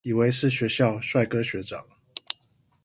以為是學校帥哥學長